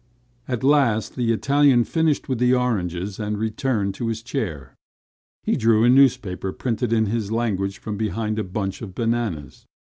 At last, the Italian finished with the oranges and returned to his chair. He drew a newspaper printed in his language from behind a bunch of bananas.